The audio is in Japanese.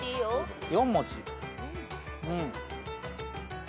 ４文字。